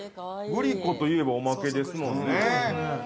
グリコといえばおまけですもんね。